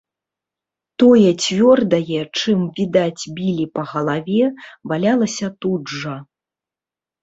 Тое цвёрдае, чым, відаць, білі па галаве, валялася тут жа.